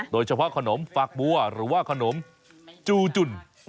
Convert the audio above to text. โดยเฉพาะขนมฝากบัวหรือว่าขนมจูจุ่น